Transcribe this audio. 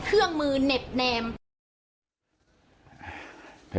เครื่องมือเหน็บแนม